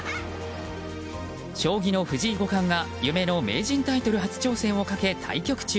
将棋の藤井五冠が夢の名人タイトル獲得に向け対局中。